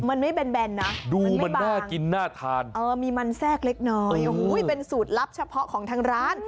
มันไม่แบนนะดูมันน่ากินน่าทานเออมีมันแทรกเล็กน้อยเป็นสูตรลับเฉพาะของทางร้าน